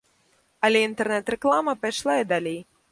Але інтэрнэт-рэклама пайшла і далей.